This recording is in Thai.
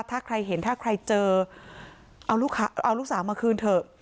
ถ้าใครเห็นถ้าใครเจอเอาลูกสาวมาคืนเถอะ